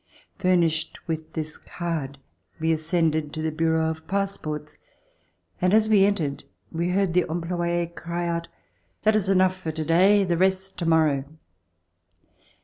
Furnished with this card, we ascended to the bu reau of passports, and as we entered we heard the employe cry out: "That is enough for today, the rest tomorrow."